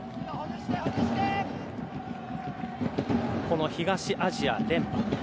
この東アジア連覇。